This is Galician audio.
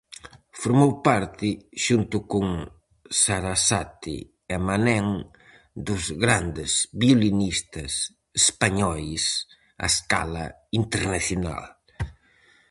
Formou parte, xunto con Sarasate e Manén, dos grandes violinistas españois a escala internacional.